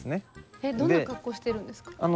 えっどんな格好しているんですか？